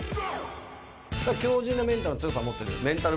強靱なメンタルの強さを持ってるメンタル